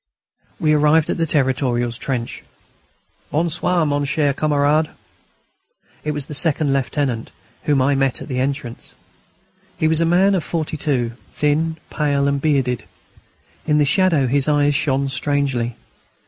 We arrived at the Territorials' trench. "Bon soir, mon cher camarade." It was the Second Lieutenant whom I met at the entrance. He was a man of forty two, thin, pale, and bearded. In the shadow his eyes shone strangely.